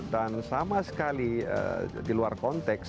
sama sekali di luar konteks